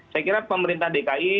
saya kira pemerintah dki